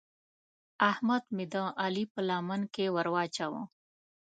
احمد مې د علي په لمن کې ور واچاوو.